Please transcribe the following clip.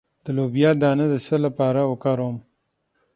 د لوبیا دانه د څه لپاره وکاروم؟